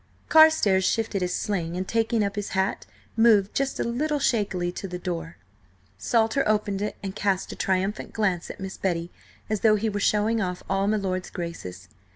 Carstares shifted his sling, and taking up his hat, moved just a little shakily to the door. Salter opened it, and cast a triumphant glance at Miss Betty, as though he were showing off all my lord's graces.